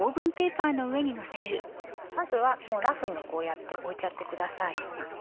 まずはもうラフにこうやって置いちゃってください。